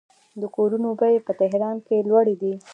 د کورونو بیې په تهران کې لوړې دي.